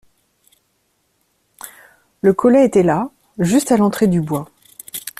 Le collet était là, juste à l’entrée du bois.